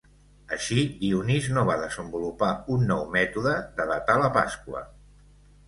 Així, Dionís no va desenvolupar un nou mètode de datar la Pasqua.